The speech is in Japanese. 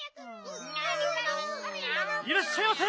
いらっしゃいませ！